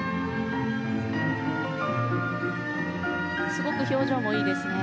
すごく表情もいいですね。